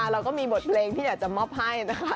เราก็มีบทเพลงที่อยากจะมอบให้นะคะ